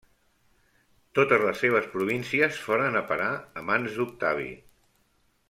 Totes les seves províncies foren a parar a mans d'Octavi.